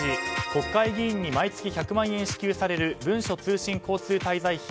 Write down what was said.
国会議員に毎月１００万円が支給される文書通信交通滞在費